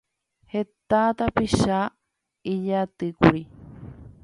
Heta tapicha ijatýkuri